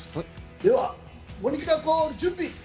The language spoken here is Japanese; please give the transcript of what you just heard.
では、モニカコール準備！